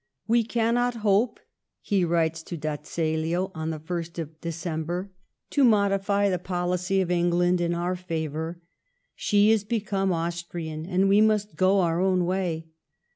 We cannot hope [he writes to d'Azeglio on the 1st of December] to modify the policy of England in onr fayonr. She has become Aos rian, and we must go our own way.